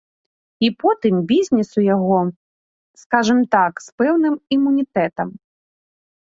І потым, бізнес у яго, скажам так, з пэўным імунітэтам.